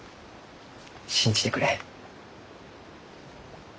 信じてくれ。